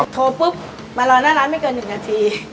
โทรปุ๊บมารอหน้าร้านไม่เกิน๑นาที